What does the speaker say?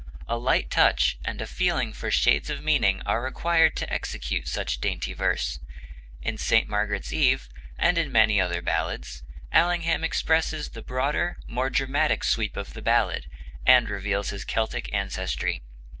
A light touch and a feeling for shades of meaning are required to execute such dainty verse. In 'St. Margaret's Eve,' and in many other ballads, Allingham expresses the broader, more dramatic sweep of the ballad, and reveals his Celtic ancestry.